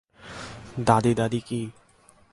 দাদি দাদি কি?